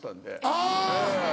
あぁ。